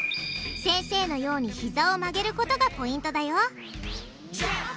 先生のようにひざを曲げることがポイントだよ